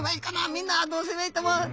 みんなどうすればいいと思う？